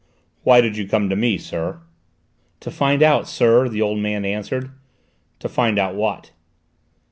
"Why do you come to me, sir?" "To find out, sir," the old man answered. "To find out what?"